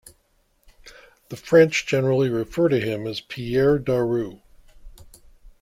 The French generally refer to him as Pierre Daru.